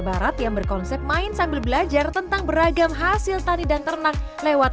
barat yang berkonsep main sambil belajar tentang beragam hasil tani dan ternak lewat